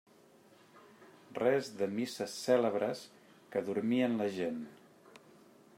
Res de misses cèlebres, que adormien la gent.